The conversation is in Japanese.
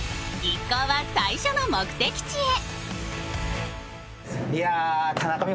一行は最初の目的地へ。